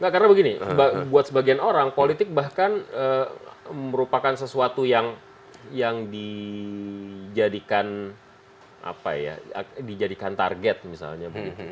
karena begini buat sebagian orang politik bahkan merupakan sesuatu yang dijadikan target misalnya